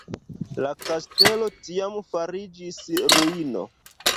La kastelo tiam fariĝis ruino.